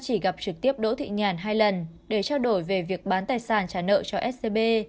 chỉ gặp trực tiếp đỗ thị nhàn hai lần để trao đổi về việc bán tài sản trả nợ cho scb